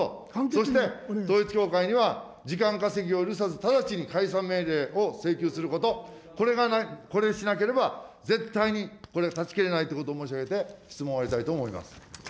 そして統一教会には時間稼ぎを許さず、直ちに解散命令を請求すること、これをしなければ、絶対にこれ、断ち切れないということを申し上げて、質問を終わりたいと思います。